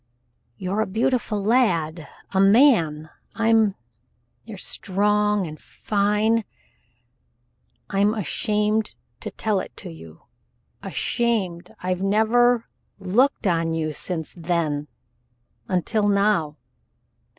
"You're a beautiful lad a man I'm You're strong and fine I'm ashamed to tell it you ashamed I've never looked on you since then until now.